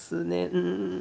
うん。